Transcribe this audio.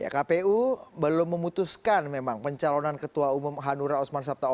kpu belum memutuskan memang pencalonan ketua umum hanura